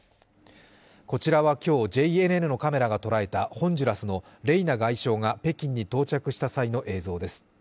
こちらは今日、ＪＮＮのカメラが捉えたホンジュラスのレイナ外相が北京に到着した際の映像です。